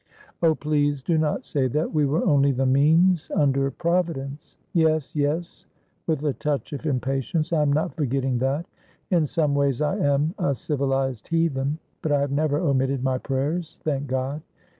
"Oh, please do not say that, we were only the means under Providence." "Yes, yes," with a touch of impatience "I am not forgetting that. In some ways I am a civilised heathen; but I have never omitted my prayers, thank God.